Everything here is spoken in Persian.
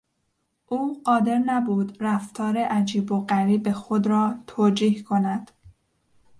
او قادر نبود رفتار عجیب و غریب خود را توجیه کند.